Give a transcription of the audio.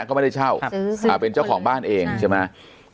เขาไม่ได้เช่าครับซื้ออ่าเป็นเจ้าของบ้านเองใช่ไหมใช่